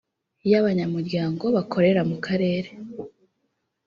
Y abanyamuryango bakorera mu karere